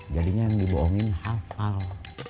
jadinya yang diboongin hafal